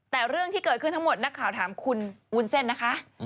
แต่เรื่องที่เกิดขึ้นทั้งหมดนักข่าวถามคุณวุ้นเส้นนะคะ